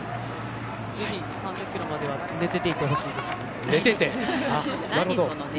ぜひ３０キロまでは寝てていてほしいですね。